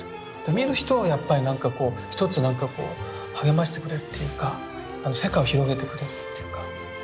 見る人をやっぱりなんかこうひとつなんかこう励ましてくれるっていうか世界を広げてくれるっていうか。